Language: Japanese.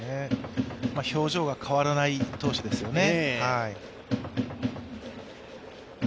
表情が変わらない投手ですよね。